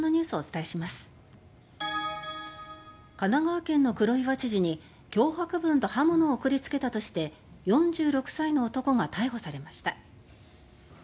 神奈川県の黒岩知事に脅迫文と刃物を送りつけたとして４６歳の男が逮捕されました。